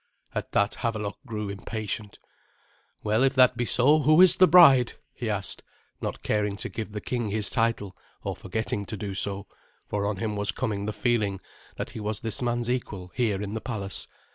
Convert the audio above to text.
At that Havelok grew impatient. "Well, if that be so, who is the bride?" he asked, not caring to give the king his title, or forgetting to do so, for on him was coming the feeling that he was this man's equal here in the palace.